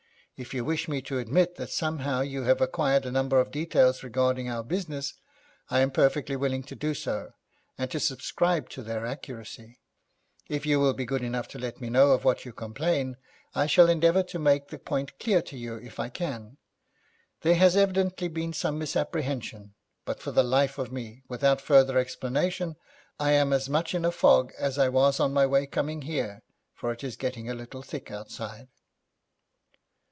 If you wish me to admit that somehow you have acquired a number of details regarding our business, I am perfectly willing to do so, and to subscribe to their accuracy. If you will be good enough to let me know of what you complain, I shall endeavour to make the point clear to you if I can. There has evidently been some misapprehension, but for the life of me, without further explanation, I am as much in a fog as I was on my way coming here, for it is getting a little thick outside.'